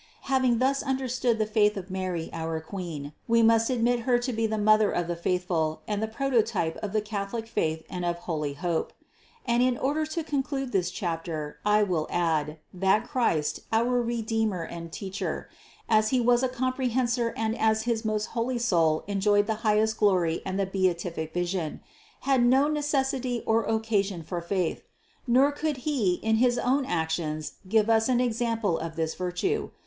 Having thus understood the faith of Mary our Queen, we must admit Her to be the Mother of the faithful and the prototype of the Catholic faith and of holy hope. And in order to conclude this chapter, I will add, that Christ, our Redeemer and Teacher, as He was a comprehensor and as his most holy soul enjoyed the highest glory and the beatific vision, had no necessity or occasion for faith, nor could He in his own actions give us an example of this vir tue.